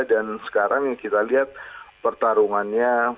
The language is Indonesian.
dan sekarang yang kita lihat pertarungannya